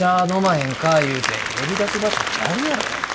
飲まへんかいうて呼び出す場所ちゃうやろ。